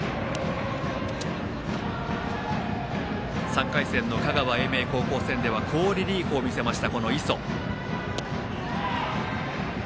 ３回戦の香川・英明高校戦では好リリーフを見せました、磯。